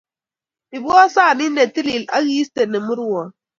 ibwo sanit netilil ak iiste ne murwon